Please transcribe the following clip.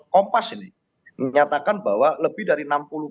kompas ini menyatakan bahwa lebih dari enam puluh